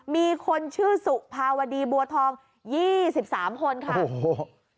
มีคนชื่อสุภาวดีบัวทอง๒๓คนค่ะ